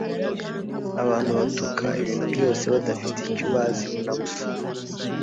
abantu batuka ibintu byose badafite icyo baziho na busa